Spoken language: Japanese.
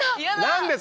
何です